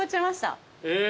え！